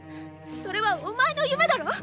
それはお前の夢だろう？